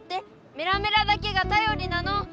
メラメラだけがたよりなの！